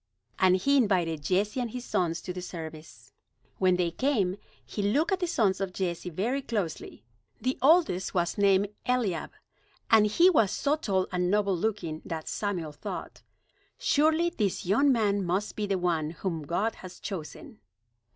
And he invited Jesse and his sons to the service. When they came, he looked at the sons of Jesse very closely. The oldest was named Eliab, and he was so tall and noble looking that Samuel thought: "Surely this young man must be the one whom God has chosen."